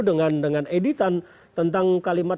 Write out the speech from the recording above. dengan dengan editan tentang kalimat